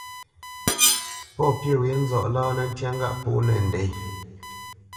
Pɔ̂ pyê wě nzɔʼ láánǝ́ ntyá ŋgâʼ pōnǝ ndě.